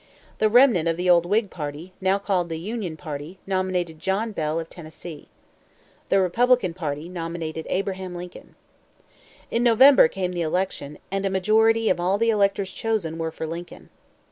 The remnant of the old Whig Party, now called the "Union Party," nominated John Bell, of Tennessee. The Republican Party nominated Abraham Lincoln. In November came the election, and a majority of all the electors chosen were for Lincoln.